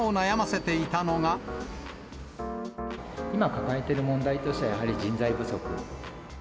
今、抱えている問題としては、やはり人材不足。